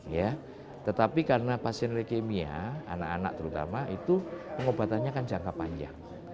ya tetapi karena pasien leukemia anak anak terutama itu pengobatannya kan jangka panjang